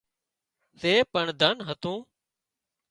زي پڻ ڌن هتون